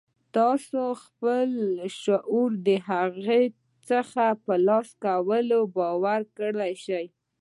تاسې خپل لاشعور د هغه څه په ترلاسه کولو باوري کولای شئ